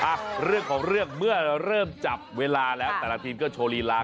เอาเรื่องของเรื่องเมื่อเราเริ่มจับเวลาแล้วค่ะแต่ละพิมพ์ก็โชลีลา